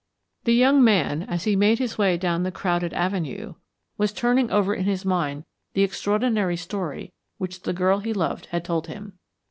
The young man, as he made his way down the crowded avenue, was turning over in his mind the extraordinary story which the girl he loved had told him.